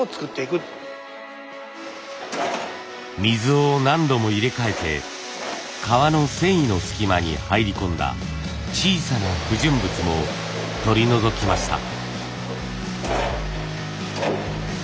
水を何度も入れ替えて革の繊維の隙間に入り込んだ小さな不純物も取り除きました。